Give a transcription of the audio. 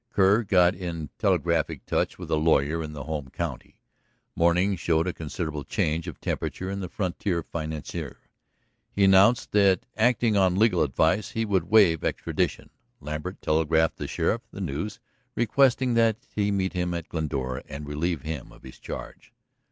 Kerr got in telegraphic touch with a lawyer in the home county. Morning showed a considerable change of temperature in the frontier financier. He announced that, acting on legal advice, he would waive extradition. Lambert telegraphed the sheriff the news, requesting that he meet him at Glendora and relieve him of his charge.